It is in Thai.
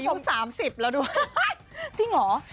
จริงหรอ